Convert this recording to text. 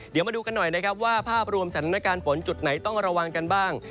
เดี๋ยวมาดูกันหน่อยนะครับว่าภาพรวมสถานการณ์ฝนจุดไหนต้องระวังกันบ้าง